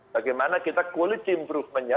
bagaimana kita quality improvement nya